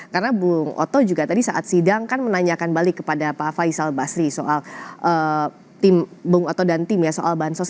karena bung otto juga tadi saat sidang kan menanyakan balik kepada pak faisal basri soal tim bung otto dan tim ya soal bansos